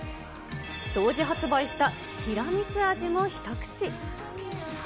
同時発売したティラミス味も一口。